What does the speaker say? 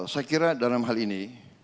saya kira dalam hal ini